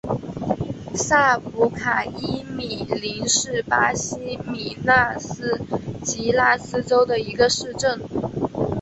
萨普卡伊米林是巴西米纳斯吉拉斯州的一个市镇。